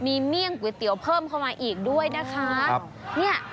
มีเมี่ยงก๋วยเตี๋ยวเพิ่มเข้ามาอีกด้วยนะคะครับเนี่ย